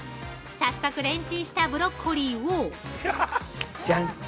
◆早速レンチンしたブロッコリーを◆ジャン！